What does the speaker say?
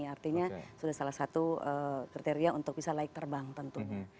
artinya sudah salah satu kriteria untuk bisa laik terbang tentunya